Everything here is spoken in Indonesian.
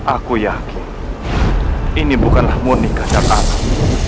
aku yakin ini bukanlah monika dan alam